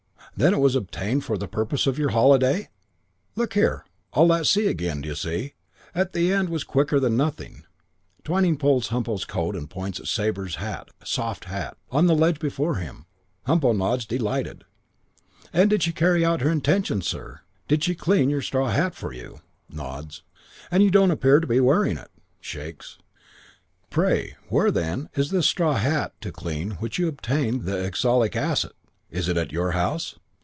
'Then it was obtained for the purpose of your holiday?' "'Look here ' All at sea again, d'you see? And the end was quicker than nothing. Twyning pulls Humpo's coat and points at Sabre's hat, soft hat, on the ledge before him. Humpo nods, delighted. "'And did she carry out her intention, sir? Did she clean your straw hat for you?' "Nods. "'You don't appear to be wearing it?' "Shakes. "'Pray, where, then, is this straw hat to clean which you obtained the oxalic acid? Is it at your house?'